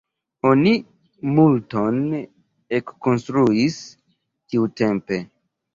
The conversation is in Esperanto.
Oni multon ekkonstruis tiutempe.